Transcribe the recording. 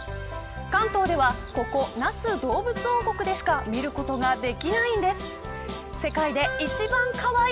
関東ではここ、那須どうぶつ王国でしか見ることができないんです。